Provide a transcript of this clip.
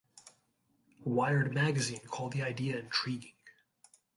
"Wired" magazine called the idea "intriguing".